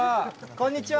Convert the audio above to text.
こんにちは。